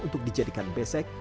untuk dijadikan besek